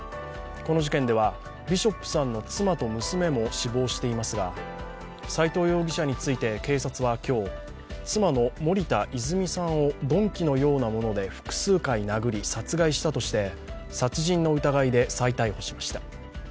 この事件ではビショップさんの妻と娘も死亡していますが斉藤容疑者について警察は今日妻の森田泉さんを鈍器のようなもので複数回殴り殺害したとして殺人の疑いで再逮捕しました。